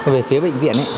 về phía bệnh viện